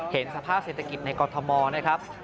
เห็นสภาพเศรษฐกิจในกรทมนะครับ